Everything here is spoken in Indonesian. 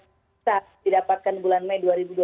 bisa didapatkan bulan mei dua ribu dua puluh